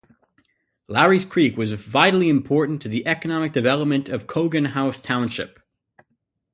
Larrys Creek was vitally important to the economic development of Cogan House Township.